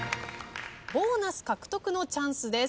ボーナス獲得のチャンスです。